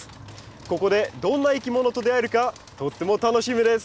ここでどんないきものと出会えるかとっても楽しみです。